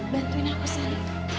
bantuin aku kesan